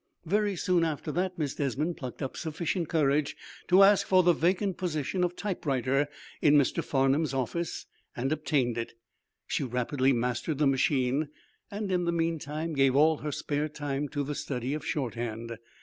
Very soon after that Miss Desmond plucked up sufficient courage to ask for the vacant position of typewriter in Mr. Farnum's office, and obtained it. She rapidly mastered the machine, and, in the meantime, gave all her spare time to the study of shorthand.